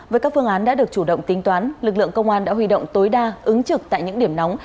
với các phương án đã được chủ động tính toán lực lượng công an đã huy động tối đa ứng trực tại những điểm nóng